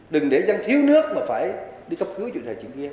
đừng để dân thiếu nước mà phải đi cấp cứu dự trợ chuyện kia